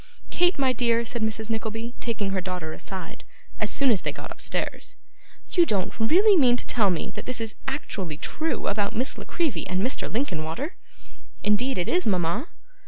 'Kate, my dear,' said Mrs. Nickleby, taking her daughter aside, as soon as they got upstairs, 'you don't really mean to tell me that this is actually true about Miss La Creevy and Mr. Linkinwater?' 'Indeed it is, mama.